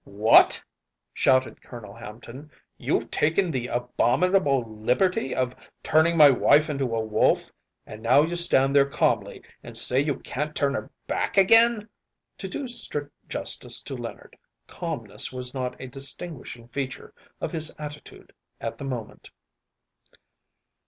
‚ÄúWhat!‚ÄĚ shouted Colonel Hampton, “you’ve taken the abominable liberty of turning my wife into a wolf, and now you stand there calmly and say you can’t turn her back again!‚ÄĚ To do strict justice to Leonard, calmness was not a distinguishing feature of his attitude at the moment.